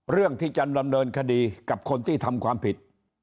เรื่องที่จะดำเนินคดีกับคนที่ทำความผิด